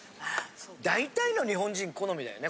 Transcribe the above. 大体の日本人好みだよね。